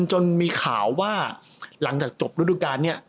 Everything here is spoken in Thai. จนมีข่าวว่าหลังจากจบฤดูการนี้